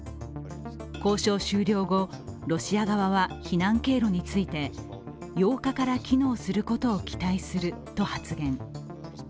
交渉終了後、ロシア側は避難経路について８日から機能することを期待すると発言。